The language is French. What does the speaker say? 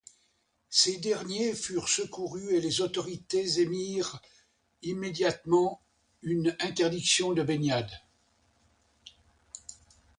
Ces derniers furent secourus et les autorités émirent immédiatement une interdiction de baignade.